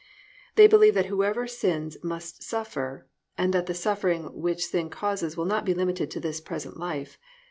They believe that whoever sins must suffer, and that the suffering which sin causes will not be limited to this present life.